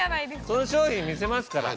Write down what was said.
その商品見せますから。